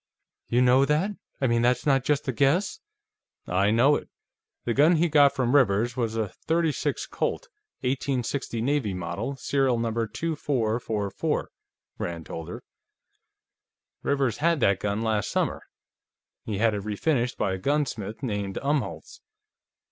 "You know that? I mean, that's not just a guess?" "I know it. The gun he got from Rivers was a .36 Colt, 1860 Navy model, serial number 2444," Rand told her. "Rivers had that gun last summer. He had it refinished by a gunsmith named Umholtz.